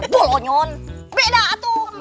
bolognion beda tuh